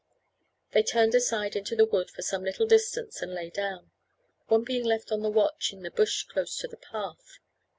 They turned aside into the wood for some little distance and lay down, one being left on the watch in the bush close to the path.